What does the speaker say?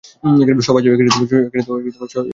সবাই চলে যাও।